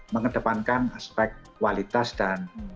mengedepankan aspek kualitas dan